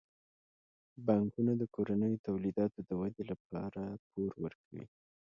بانکونه د کورنیو تولیداتو د ودې لپاره پور ورکوي.